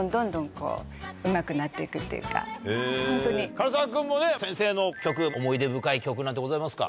唐沢君もね先生の曲思い出深い曲なんてございますか。